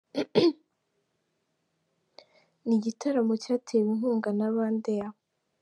Ni igitaramo cyatewe inkunga na Rwandair.